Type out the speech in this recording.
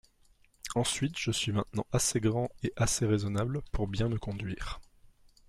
Ensuite, je suis maintenant assez grand et assez raisonnable pour me bien conduire.